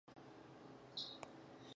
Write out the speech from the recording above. هغه وویل چې انسولین او وینې فشار بدلیدلی شي.